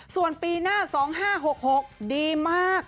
ส่วนปีหน้า๒๕๖๖ดีมาก